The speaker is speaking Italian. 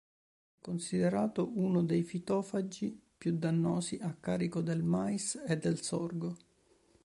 È considerato uno dei fitofagi più dannosi a carico del mais e del sorgo.